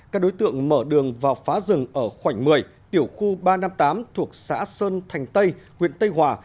các đối tượng mở đường vào phá rừng ở khoảnh một mươi tiểu khu ba trăm năm mươi tám thuộc xã sơn thành tây huyện tây hòa